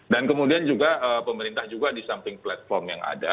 dan kemudian juga pemerintah juga di samping platform yang ada